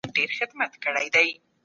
د قصاص سزا عادلانه ده.